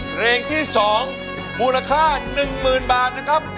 เพลงที่๒มูลค่า๑๐๐๐บาทนะครับ